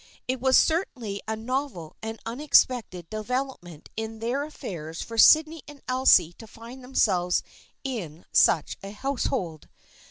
It was certainly a novel and unexpected de velopment in their affairs for Sydney and Elsie to find themselves in such a household.